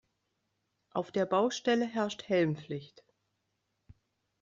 Auf der Baustelle herrscht Helmpflicht.